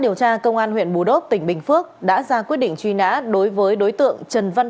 điều tra công an huyện bù đốc tỉnh bình phước đã ra quyết định truy nã đối với đối tượng trần văn